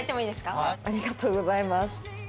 ありがとうございます。